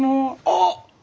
あっ！